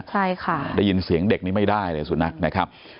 ใช่ค่ะได้ยินเสียงเด็กนี้ไม่ได้เลยสุนัขนะครับ